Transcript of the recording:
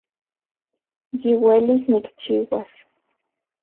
Yiuelis nikchiuas